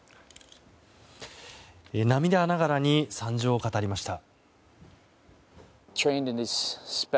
涙ながらに惨状を語りました。